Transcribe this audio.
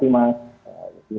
ya terima kasih mas